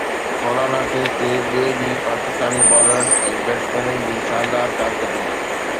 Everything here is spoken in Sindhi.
خولانا ٽيسٽ جي ٻئي ڏينهن پاڪستاني بالرن ۽ بيٽسمينن جي شاندار ڪارڪردگي